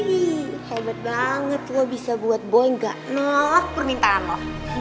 ih hebat banget lo bisa buat boy gak nolak permintaan lo